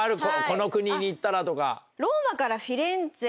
この国に行ったらとか。